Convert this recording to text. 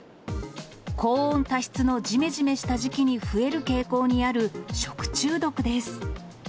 高温多湿のじめじめした時期に増える傾向にある食中毒です。